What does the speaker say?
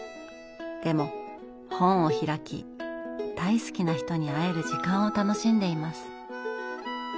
でも本を開き大好きな人に会える時間を楽しんでいます。